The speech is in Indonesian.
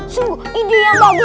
sungguh ini yang bagus